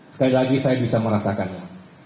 sekali lagi saya bisa merasakannya